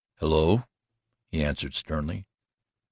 "Hello!" he answered sternly.